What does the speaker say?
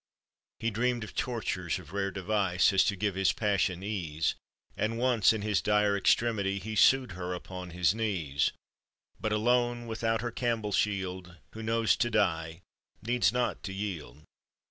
He dreamed of tortures of rare device As to give his passion ease, And once in his dire extremity He sued her upon his knees; But alone, without her Campbell shield, Who knows to die, needs not to yield.